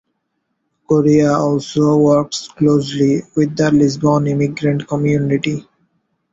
Correia also works closely with the Lisbon immigrant community.